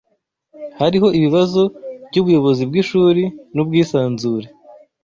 Hariho ibibazo byubuyobozi bwishuri nubwisanzure